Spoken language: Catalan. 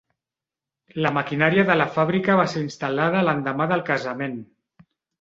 La maquinària de la fàbrica va ser instal·lada l'endemà del casament.